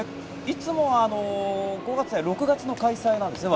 いつも５月や６月の開催なんですね。